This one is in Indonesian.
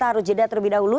harus jeda terlebih dahulu